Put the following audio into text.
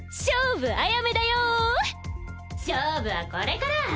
勝負はこれから！